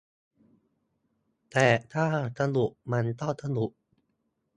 แต่ถ้าสนุกมันก็สนุก